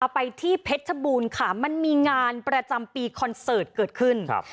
ไปที่เพชรชบูรณ์ค่ะมันมีงานประจำปีคอนเสิร์ตเกิดขึ้น